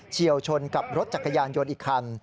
เชี่ยวชนกับรถจักรยานยนต์อีกคัน